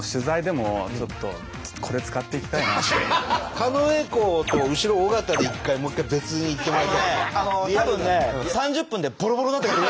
狩野英孝と後ろ尾形で一回もう一回別に行ってもらいたいね。